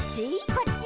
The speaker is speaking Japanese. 「こっち？」